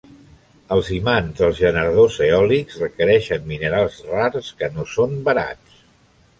Els imants dels generadors eòlics requereixen minerals rars que no són barats.